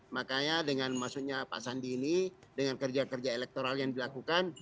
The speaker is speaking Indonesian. makanya dengan maksudnya pak sandi ini dengan kerja kerja elektoral yang dilakukan